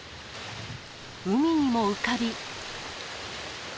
海にも浮かび。